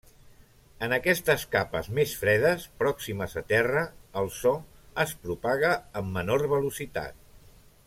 En aquestes capes més fredes pròximes a terra, el so es propaga amb menor velocitat.